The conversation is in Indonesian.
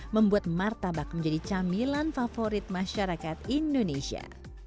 membuat martabak menjadi camilan favorit masyarakat indonesia